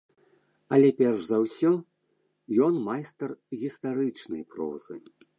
Але перш за ўсё ён майстар гістарычнай прозы.